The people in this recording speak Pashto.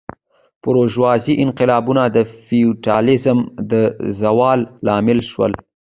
بورژوازي انقلابونه د فیوډالیزم د زوال لامل شول.